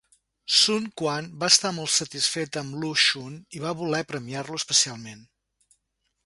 Sun Quan va estar molt satisfet amb Lu Xun i va voler premiar-lo especialment.